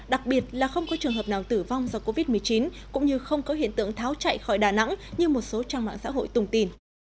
đặc biệt là không có trường hợp nào tử vong do covid một mươi chín cũng như không có hiện tượng tháo chạy khỏi đà nẵng như một số trang mạng xã hội tùng tin